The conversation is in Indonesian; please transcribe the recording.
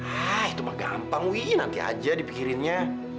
ah itu mah gampang wih nanti aja dipikirinnya